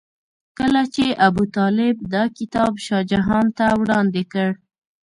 کله چې ابوطالب دا کتاب شاه جهان ته وړاندې کړ.